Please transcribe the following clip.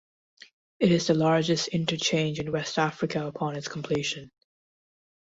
It is the largest interchange in West Africa upon its completion.